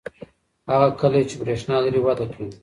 هغه کلی چې برېښنا لري وده کوي.